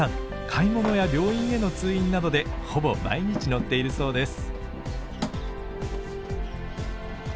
買い物や病院への通院などでほぼ毎日乗っているそうです。